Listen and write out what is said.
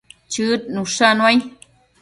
Chëd nushannuai